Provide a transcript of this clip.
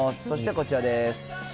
そしてこちらです。